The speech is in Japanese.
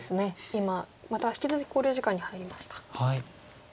今また引き続き考慮時間に入りました。